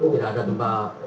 tidak ada gempa